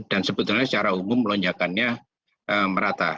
dan sebetulnya secara umum lonjakannya merata